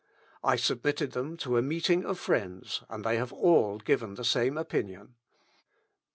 I submitted them to a meeting of friends, and they have all given the same opinion."